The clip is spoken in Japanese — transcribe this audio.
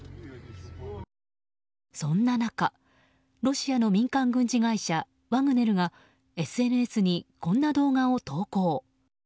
そんな中ロシアの民間軍事会社ワグネルがＳＮＳに、こんな動画を投稿。